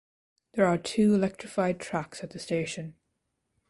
There are two electrified tracks at the station.